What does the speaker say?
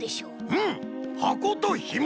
うん！はことひも！